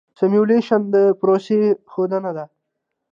سیمولیشن د پروسې ښودنه ده.